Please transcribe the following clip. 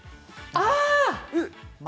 ああ！